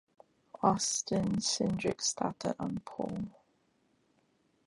Austin Cindric started on pole.